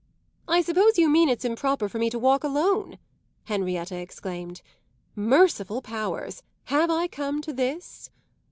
"I suppose you mean it's improper for me to walk alone!" Henrietta exclaimed. "Merciful powers, have I come to this?"